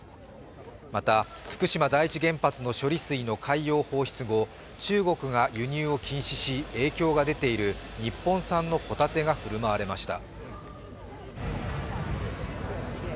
また福島第一原発の処理水の海洋放出後、中国が輸入を禁止し影響が出ている日本産の帆立てがふるまわれました。